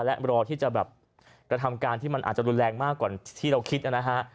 และรอที่จะแบบกระทำการที่มันอาจจะรุนแรงมากกว่าที่เราคิดนะฮะ